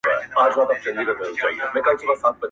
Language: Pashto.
o ستا د ښایست سیوري کي، هغه عالمگیر ویده دی.